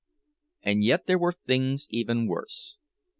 And yet there were things even worse.